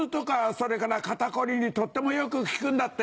それから肩凝りにとってもよく効くんだって。